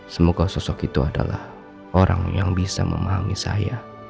semoga sosok itu adalah orang yang bisa memahami saya